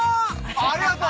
ありがとう。